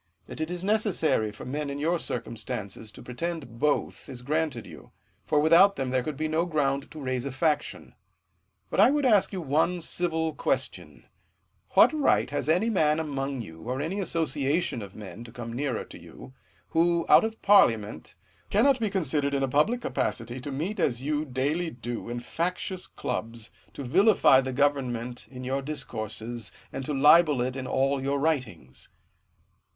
That it is necessary for men in your circumstances to pretend both, is granted you ; for without them there could be no ground to raise a faction. But I would ask you one civil question, AVhat right has any man among you, or any asso ciation of men (to come nearer to you), who, out of parliament, cannot be considered in a public capacity, to meet as you daily do in factious clubs, to vilify the government in your discourses, and to libel it in all your writings?